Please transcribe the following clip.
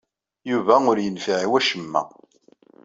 Yuba ur yenfiɛ i wacemma.